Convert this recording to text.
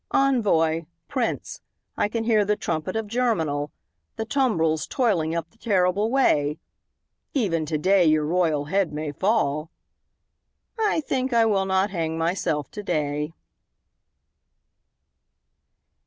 Envoi Prince, I can hear the trumpet of Germinal, The tumbrils toiling up the terrible way; Even today your royal head may fall I think I will not hang myself today.